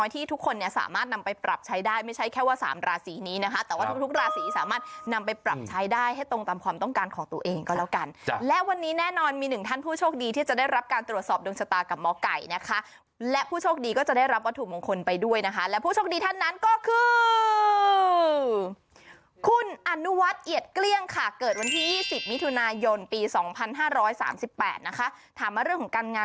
ทุกราศีสามารถนำไปปรับใช้ได้ให้ตรงตามความต้องการของตัวเองก็แล้วกันจ้ะและวันนี้แน่นอนมีหนึ่งท่านผู้โชคดีที่จะได้รับการตรวจสอบดวงชะตากับหมอไก่นะคะและผู้โชคดีก็จะได้รับวัตถุมงคลไปด้วยนะคะและผู้โชคดีท่านนั้นก็คือคุณอนุวัฒน์เอียดเกลี้ยงค่ะเกิดวันที่ยี่สิบมิถุนายนปีสอง